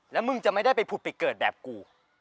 แล้วมึงจะไม่ได้ไปผุดไปเกิดแบบกู